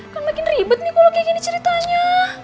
kan makin ribet nih kalau kayak gini ceritanya